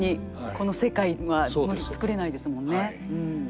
この世界は作れないですもんね。